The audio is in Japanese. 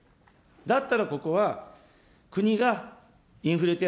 だったらここは、国がインフレ手